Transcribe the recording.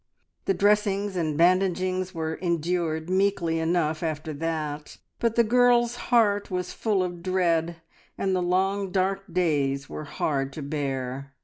The dressings and bandagings were endured meekly enough after that, but the girl's heart was full of dread, and the long dark days were hard to bear.